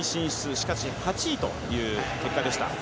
しかし８位という結果でした。